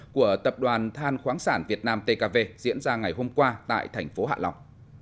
của tập đoàn than khoáng sản việt nam tkv diễn ra ngày hôm qua tại thành phố hạ long